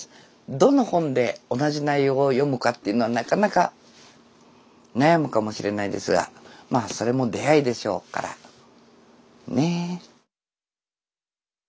どの本で同じ内容を読むかっていうのはなかなか悩むかもしれないですがまあそれも出会いでしょうからね。